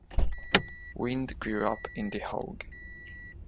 Wind grew up in The Hague.